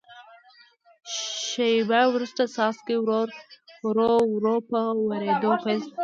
شیبه وروسته څاڅکي ورو ورو په ورېدو پیل شول.